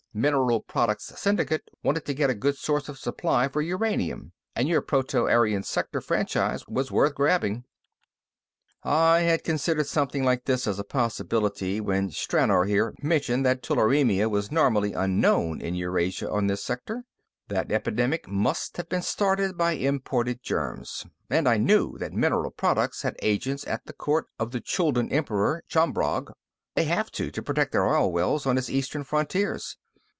Mineral Products Syndicate wanted to get a good source of supply for uranium, and your Proto Aryan Sector franchise was worth grabbing. "I had considered something like this as a possibility when Stranor, here, mentioned that tularemia was normally unknown in Eurasia on this sector. That epidemic must have been started by imported germs. And I knew that Mineral Products has agents at the court of the Chuldun emperor, Chombrog: they have to, to protect their oil wells on his eastern frontiers.